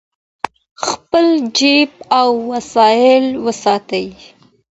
خپل جیب او وسایل وساتئ.